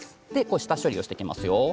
下処理をしていきますよ。